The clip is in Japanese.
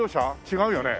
違うよね。